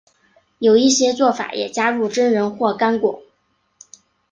有一些做法也加入榛仁或干果。